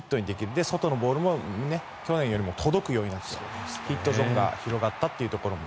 で、外のボールも去年より届くようになってヒットゾーンが広がったというところも。